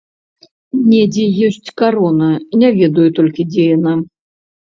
Недзе ёсць карона, не ведаю толькі, дзе яна.